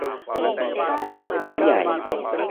ผู้หลักผู้ใหญ่